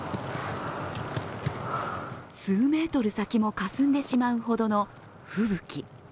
数メートル先もかすんでしまうほどの吹雪。